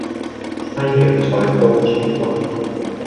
西洋菜煲豬骨